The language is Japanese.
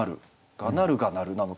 「我鳴るがなる」なのか。